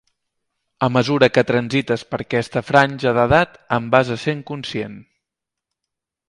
A mesura que transites per aquesta franja d’edat en vas essent conscient.